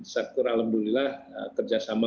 syakir alhamdulillah kerjasama